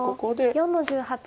白４の十八。